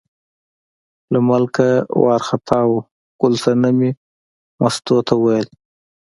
له ملکه وار خطا و، ګل صنمې مستو ته وویل.